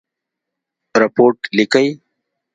رپوټ لیکئ؟